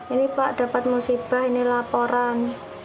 ini pak dapat musibah ini laporan